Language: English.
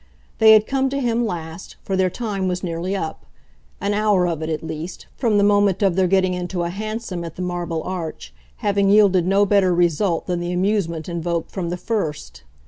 They had come to him last, for their time was nearly up; an hour of it at least, from the moment of their getting into a hansom at the Marble Arch, having yielded no better result than the amusement invoked from the first.